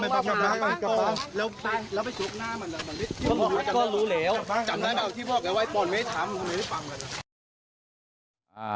นี่เป็นคนอำนาจเลือกออกมานะ